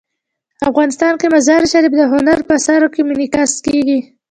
افغانستان کې مزارشریف د هنر په اثار کې منعکس کېږي.